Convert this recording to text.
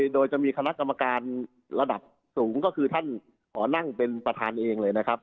โดยจะมีคณะกรรมการระดับสูงก็คือท่านขอนั่งเป็นประธานเองเลยนะครับ